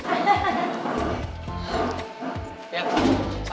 ian sana aja